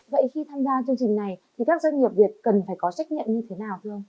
vậy khi tham gia chương trình này thì các doanh nghiệp việt cần phải có trách nhiệm như thế nào thưa ông